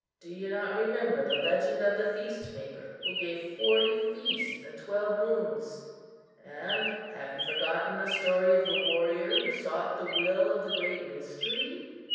Do you not remember the 'Legend of the Feast Maker,' who gave forty feasts in twelve moons? And have you forgotten the story of the warrior who sought the will of the Great Mystery?